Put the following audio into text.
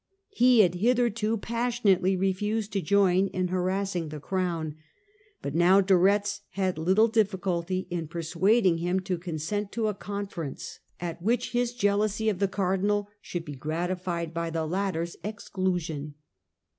He had hitherto passionately refused to join in harassing the Crown. But now De Retz had little difficulty in persuading him to consent to a conference at which his jealousy of the Cardinal should be gratified 1648. Ma&arin and Condi, 39 by the latter's exclusion.